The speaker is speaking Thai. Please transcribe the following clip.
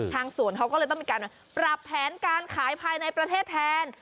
ทางสวนเขาก็เลยต้องมีการปรับแผนการขายภายในประเทศแทน